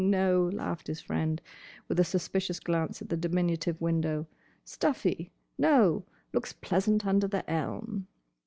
"No, no," laughed his friend, with a suspicious glance at the diminutive window. "Stuffy. No. Looks pleasant under the elm."